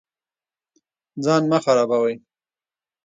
ځان مه خرابوئ